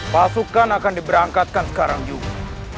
pasukan akan diberangkatkan sekarang juga